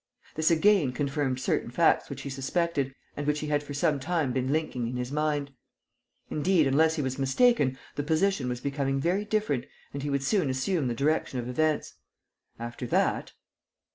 This again confirmed certain facts which he suspected and which he had for some time been linking in his mind. Indeed, unless he was mistaken, the position was becoming very different and he would soon assume the direction of events. After that....